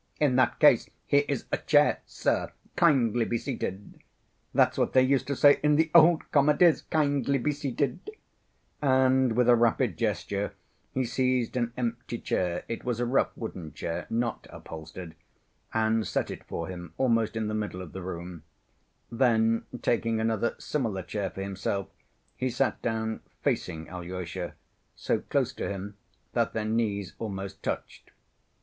"In that case, here is a chair, sir; kindly be seated. That's what they used to say in the old comedies, 'kindly be seated,' " and with a rapid gesture he seized an empty chair (it was a rough wooden chair, not upholstered) and set it for him almost in the middle of the room; then, taking another similar chair for himself, he sat down facing Alyosha, so close to him that their knees almost touched.